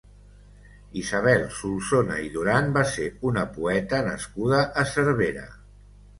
Isabel Solsona i Duran va ser una poeta nascuda a Cervera.